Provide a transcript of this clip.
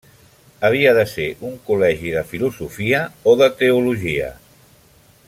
Havia de ser un col·legi de filosofia o de teologia.